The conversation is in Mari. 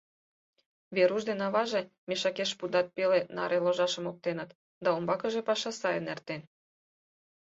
Веруш ден аваже мешакеш пудат пеле наре ложашым оптеныт, да, умбакыже паша сайын эртен.